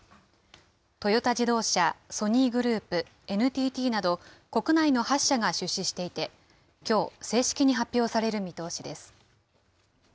トヨタ自動車、ソニーグループ、ＮＴＴなど、国内の８社が出資していて、きょう、正式に発表される見通しです。